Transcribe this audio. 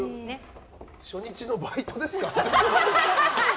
初日のバイトですか？